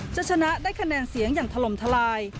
จะชนะได้คะแนนเสียงอย่างถล่มทลาย